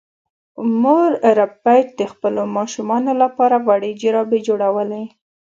مور ربیټ د خپلو ماشومانو لپاره وړې جرابې جوړولې